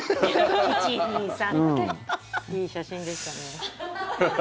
いい写真でしたね。